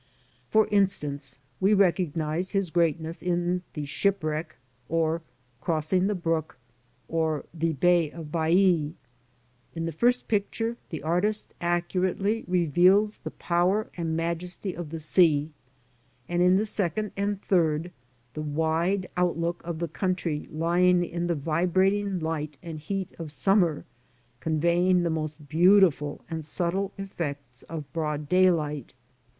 For instance, we recognise his greatness in " The Shipwreck," or " Crossing the Brook," or "The Bay of iBaiae/' In the first picture the artist accurately reveals the power and majesty of the sea, and in the second and third, the wide outlook of the country lying in the vibrating light and heat of summer, conveying the most beautiful and subtle effects of broad daylight.